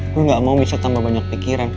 gue gak mau bisa tambah banyak pikiran